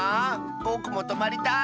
ぼくもとまりたい！